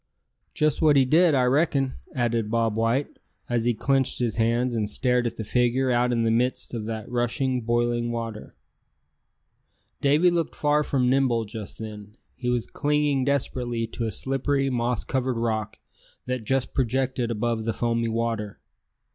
"Just what he did, I reckon!" added Bob White, as he clenched his hands, and stared at the figure out in the midst of that rushing, boiling water. Davy looked far from nimble just then. He was clinging desperately to a slippery moss covered rock that just projected above the foamy water.